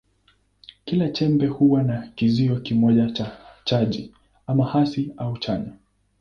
Kila chembe huwa na kizio kimoja cha chaji, ama hasi au chanya.